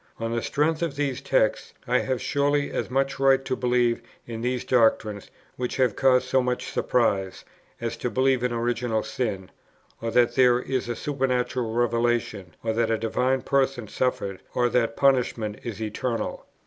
On the strength of these texts, I have surely as much right to believe in these doctrines which have caused so much surprise, as to believe in original sin, or that there is a supernatural revelation, or that a Divine Person suffered, or that punishment is eternal.